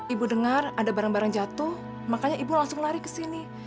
ibu dengar ada barang barang jatuh makanya ibu langsung lari ke sini